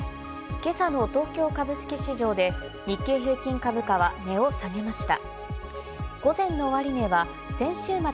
今朝の東京株式市場で日経平均株価は値を下げました。